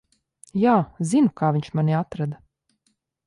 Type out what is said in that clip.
Jā, zinu, kā viņš mani atrada.